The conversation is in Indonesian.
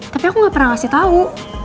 tapi aku gak pernah ngasih tau